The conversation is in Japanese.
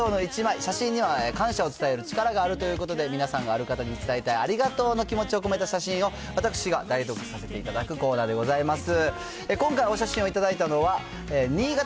あなたが伝えたいありがとうの１枚、写真には感謝を伝える力があるということで、皆さんがある方に伝えたいありがとうの気持ちを込めた写真を、私が代読させていただくコーナーでございます。